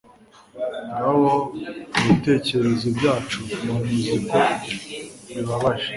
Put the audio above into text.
Ngaho mubitekerezo byacu mama uzi ko bibabaje